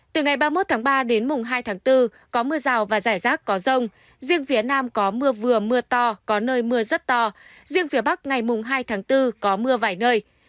từ ngày ba mươi một tháng ba đến mùng hai tháng bốn có mưa rào và rải rác có rông riêng phía nam có mưa vừa mưa to có nơi mưa rất to riêng phía bắc ngày mùng hai tháng bốn có mưa vài nơi